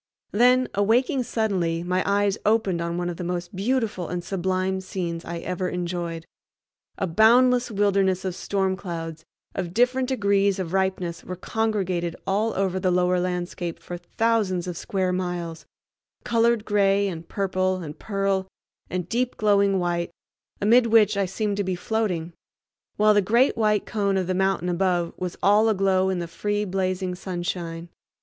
Then, awaking suddenly, my eyes opened on one of the most beautiful and sublime scenes I ever enjoyed. A boundless wilderness of storm clouds of different degrees of ripeness were congregated over all the lower landscape for thousands of square miles, colored gray, and purple, and pearl, and deep glowing white, amid which I seemed to be floating; while the great white cone of the mountain above was all aglow in the free, blazing sunshine.